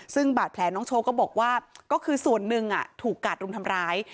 ซึ่งบาดแผลน้องโชว์ก็บอกว่าก็คือส่วนหนึ่งถูกกาดรุมทำร้าย